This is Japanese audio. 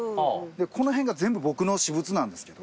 この辺が全部僕の私物なんですけど。